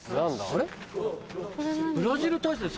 あれ？